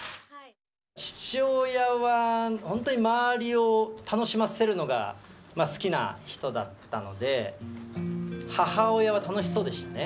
父親は、本当に周りを楽しませるのが好きな人だったので、母親は楽しそうでしたね。